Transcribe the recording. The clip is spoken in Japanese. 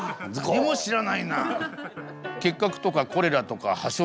何も知らないな。